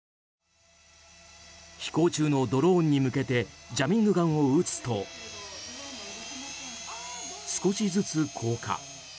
飛行中のドローンに向けてジャミングガンを撃つと少しずつ降下。